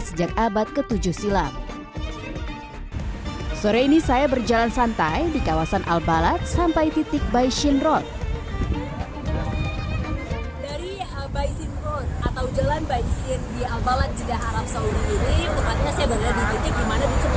sejak abad ke tujuh silam